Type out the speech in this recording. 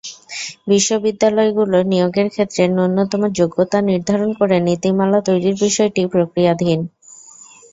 বিশ্ববিদ্যালয়গুলোর নিয়োগের ক্ষেত্রে ন্যূনতম যোগ্যতা নির্ধারণ করে নীতিমালা তৈরির বিষয়টি প্রক্রিয়াধীন।